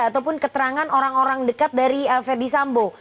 ataupun keterangan orang orang dekat dari verdi sambo